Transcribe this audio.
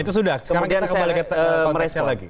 itu sudah sekarang kita kembali ke konteksnya lagi